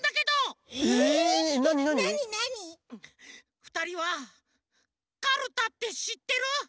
ふたりはカルタってしってる？